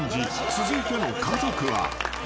続いての家族は］